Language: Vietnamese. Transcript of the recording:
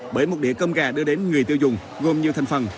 bởi một đĩa cơm gà đưa đến người tiêu dùng gồm nhiều thành phần